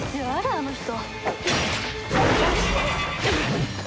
あの人。